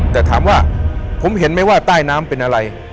แต่ถามว่าผมเห็นไหมว่าใต้น้ำเป็นอะไร